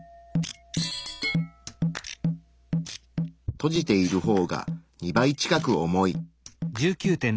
閉じている方が２倍近く重い。